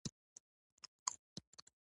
کاکړ د جګړې پر ځای سوله خوښوي.